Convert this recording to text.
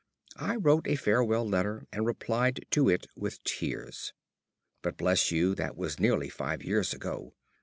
I wrote a farewell letter and replied to it with tears.... But, bless you, that was nearly five years ago.